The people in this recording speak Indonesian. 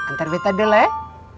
ntar bet ada leh